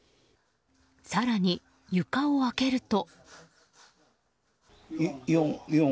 更に床を開けると。